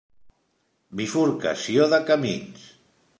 Bifurcació de camins.